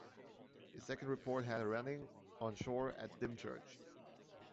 A second report had her running on shore at Dymchurch.